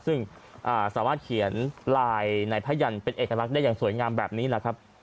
ซึ่งสามารถเขียนลายในพยันเป็นเอกลักษณ์ได้อย่างสวยงามแบบนี้แหละครับ